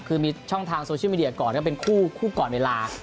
คือมีช่องทางโซเชียลมีเดียก่อนก็เป็นคู่ก่อนเวลา